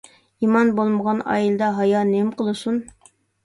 ئىمان بولمىغان ئائىلىدە ھايا نېمە قىلسۇن؟